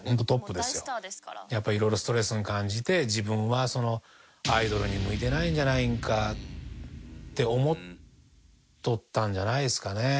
やっぱ色々ストレスに感じて自分はアイドルに向いてないんじゃないんかって思っとったんじゃないですかね。